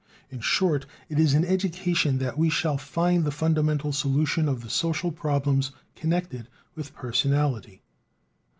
In short, it is in education that we shall find the fundamental solution of the social problems connected with "personality."